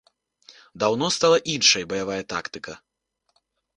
Даўно стала іншай баявая тактыка.